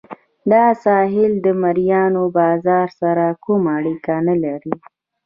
دا ساحل د مریانو بازار سره کومه اړیکه نه لرله.